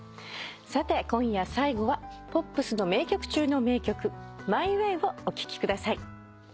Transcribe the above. さて今夜最後はポップスの名曲中の名曲『ＭＹＷＡＹ』をお聴きください。